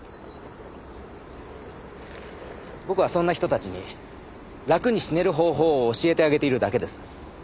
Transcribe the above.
僕はそんな人たちに楽に死ねる方法を教えてあげているだけです。